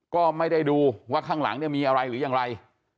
ก็ไม่ได้ดูว่าข้างหลังเนี่ยมีอะไรหรือยังไร